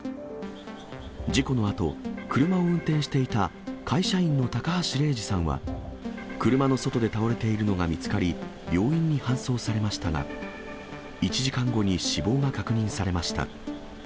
事故のあと、車を運転していた会社員の高橋怜二さんは、車の外で倒れているのが見つかり、病院に搬送されましたが、１時間後に死亡が確認されました。